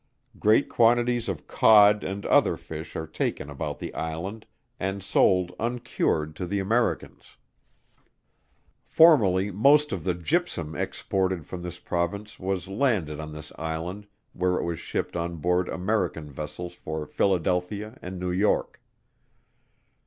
Great quantities of cod and other fish are taken about the Island, and sold uncured to the Americans. Formerly most of the gypsum exported from this Province was landed on this Island where it was shipped on board American vessels for Philadelphia and New York.